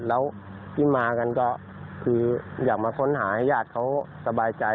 แล้วที่มากันก็คืออยากมาค้นหาให้ญาติเขาสบายใจ